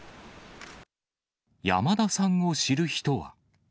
山田さんを知る人は。